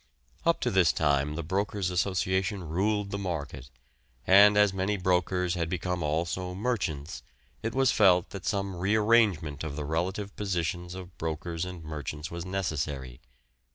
Up to this time the Brokers' Association ruled the market, and as many brokers had become also merchants it was felt that some re arrangement of the relative positions of brokers and merchants was necessary.